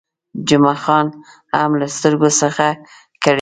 جمعه خان هم له سترګو څخه کړېده.